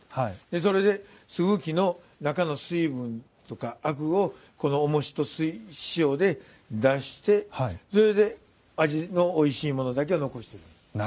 それで、すぐきの中の水分とあくを、このおもしと塩で出してそれで、味のおいしいものだけを残している。